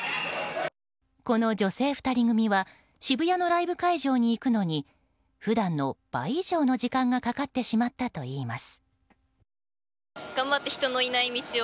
この女性２人組は渋谷のライブ会場に行くのに普段の倍以上の時間がかかってしまったといいます。